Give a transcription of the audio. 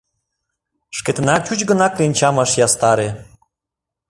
Шкетынак чуч гына кленчам ыш ястаре.